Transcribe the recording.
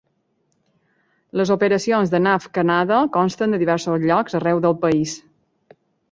Les operacions de Nav Canada consten de diversos llocs arreu del país.